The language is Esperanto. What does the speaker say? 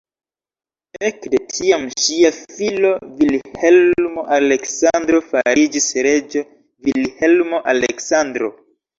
Ekde tiam ŝia filo Vilhelmo-Aleksandro fariĝis reĝo Vilhelmo-Aleksandro.